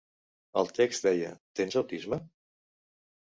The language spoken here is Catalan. El text deia "Tens autisme?".